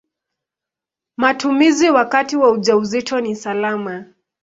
Matumizi wakati wa ujauzito ni salama.